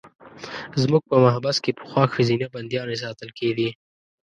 زموږ په محبس کې پخوا ښځینه بندیانې ساتل کېدې.